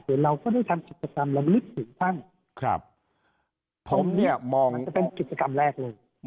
แต่เราก็ได้ทำกิจกรรมเราไม่นึกถึงตั้งครับผมเนี่ยมองมันจะเป็นกิจกรรมแรกเลย